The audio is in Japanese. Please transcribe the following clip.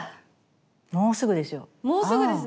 もうすぐですよ。